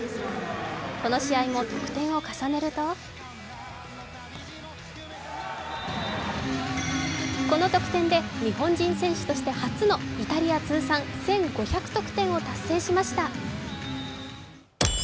この試合も得点を重ねるとこの得点で日本人選手として初のイタリア通算１５００得点を達成しました。